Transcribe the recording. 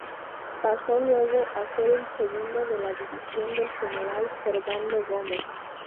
Pasó luego a ser el segundo de la división del general Servando Gómez.